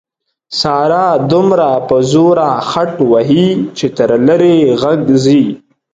ساره دومره په زوره خټ وهي چې تر لرې یې غږ ځي.